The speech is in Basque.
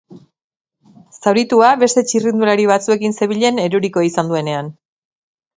Zauritua beste txirrindulari batzuekin zebilen erorikoa izan duenean.